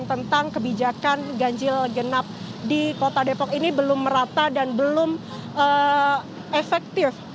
tentang kebijakan ganjil genap di kota depok ini belum merata dan belum efektif